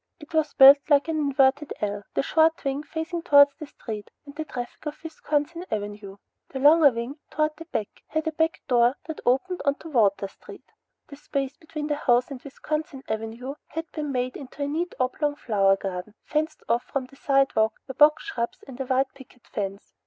It was built like an inverted L, the short wing faced towards the street and the traffic of Wisconsin Avenue. The longer wing, toward the back, had a back door that opened onto Water Street. The space between the house and Wisconsin Avenue had been made into a neat oblong flower garden, fenced off from the sidewalk by box shrubs and a white picket fence.